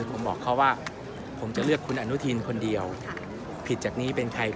ผมบอกเขาว่าผมจะเลือกคนเดียวผิดจากนี้เป็นใคร